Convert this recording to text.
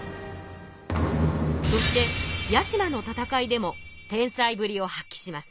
そして屋島の戦いでも天才ぶりを発揮します。